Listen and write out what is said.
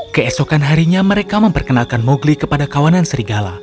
keesokan harinya mereka memperkenalkan mowgli kepada kawanan serigala